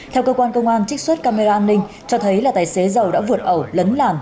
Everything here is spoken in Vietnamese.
theo cơ quan công an trích xuất camera an ninh cho thấy là tài xế giàu đã vượt ẩu lấn làn